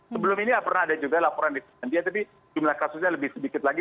sebelum ini pernah ada juga laporan dilandia tapi jumlah kasusnya lebih sedikit lagi